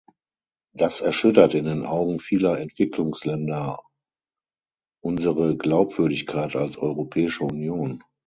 Das erschüttert in den Augen vieler Entwicklungsländer unsere Glaubwürdigkeit als Europäische Union.